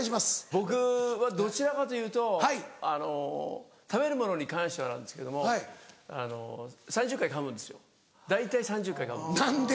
僕はどちらかというと食べるものに関してはなんですけども３０回かむんですよ大体３０回かむんです。